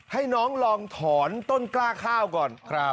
ให้น้องลองถอนต้นกล้าข้าวก่อน